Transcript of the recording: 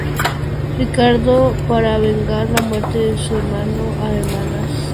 Ricardo para vengar la muerte de su hermano a manos de Mr.